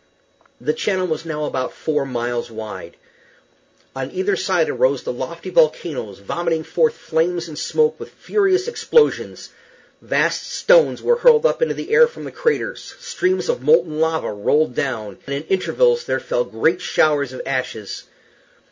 The channel now was about four miles wide. On either side arose the lofty volcanoes vomiting forth flames and smoke with furious explosions; vast stones were hurled up into the air from the craters; streams of molten lava rolled down, and at intervals there fell great showers of ashes.